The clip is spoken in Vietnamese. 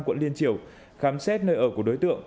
quận liên triều khám xét nơi ở của đối tượng